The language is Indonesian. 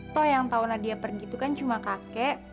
toh yang tau nadia pergi itu kan cuma kakek